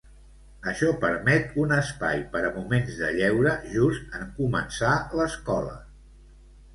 Això permet un espai per a moments de lleure just en començar l'escola.